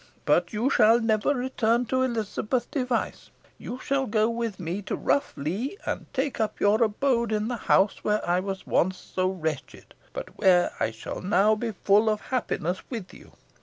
But you shall never return to Elizabeth Device. You shall go with me to Rough Lee, and take up your abode in the house where I was once so wretched but where I shall now be full of happiness with you.